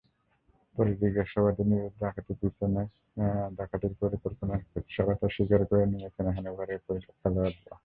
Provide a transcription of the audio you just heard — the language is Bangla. পরে জিজ্ঞাসাবাদে নিজেদের ডাকাতির পরিকল্পনার কথা স্বীকার করে নিয়েছেন হ্যানোভারের খেলোয়াড়েরা।